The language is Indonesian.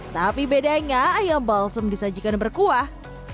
tapi bedanya ayam balsem disajikan berkuah